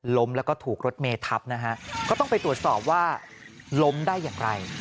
ล้มแล้วก็ถูกรถเมทับนะฮะก็ต้องไปตรวจสอบว่าล้มได้อย่างไร